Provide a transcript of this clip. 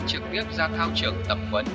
trực tiếp ra thao trường tập vấn